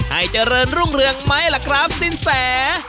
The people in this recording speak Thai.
ให้เจริญรุ่งเรืองไหมล่ะครับสินแส